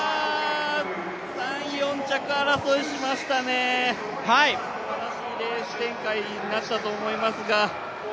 ３、４着争いしましたね、すばらしいレース展開になったと思いますが。